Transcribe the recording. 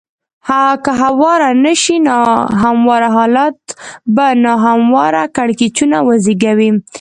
که هوار نه شي نا همواره حالات به نا همواره کړکېچ وزېږوي.